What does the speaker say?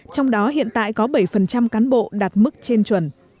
trong đó hiện tại có bảy cán bộ đạt mức trên chuẩn